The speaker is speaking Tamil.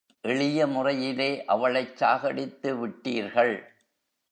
எளிய முறையிலே அவளைச் சாகடித்து விட்டீர்கள்.